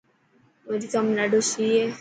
امريڪا ۾ڏاڌو سي هي.